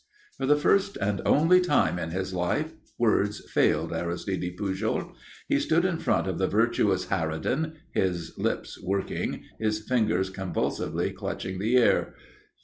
For the first and only time in his life words failed Aristide Pujol. He stood in front of the virtuous harridan, his lips working, his fingers convulsively clutching the air.